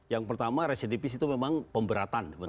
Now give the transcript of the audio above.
yang pertama residipis itu memang pemberatan